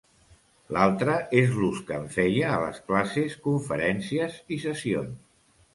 L'altra és l'ús que en feia a les classes, conferències i sessions.